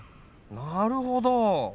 なるほど！